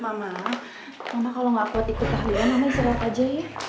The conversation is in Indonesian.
mama mama kalo gak kuat ikut tahliah mama istirahat aja ya